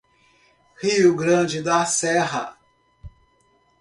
Rio Grande da Serra